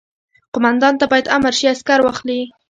قوماندان ته باید امر شي عسکر واخلي.